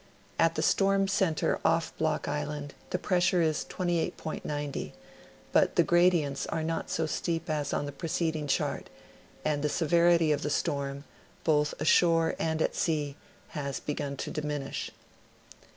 At the storm center off Block Island the pressure is 28.90, but the gradients are not so steep as on the preceding chart, and the severity of the storm, both ashore and at sea, has begun to diminish.